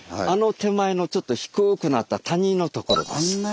あの手前のちょっと低くなった谷のところです。